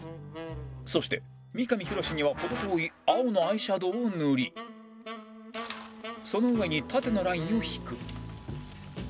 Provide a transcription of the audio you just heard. そして三上博史には程遠い青のアイシャドーを塗りその上に縦のラインを引く